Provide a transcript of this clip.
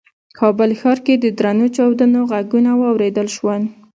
کابل ښار کې د درنو چاودنو غږونه واورېدل شول.